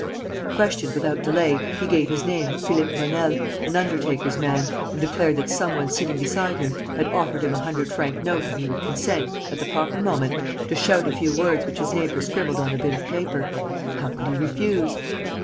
Questioned without delay, he gave his name, Philippe Bonel, an undertaker's man, and declared that some one sitting beside him had offered him a hundred franc note if he would consent, at the proper moment, to shout a few words which his neighbour scribbled on a bit of paper. How could he refuse?